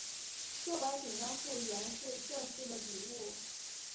血管紧张素原是肾素的底物。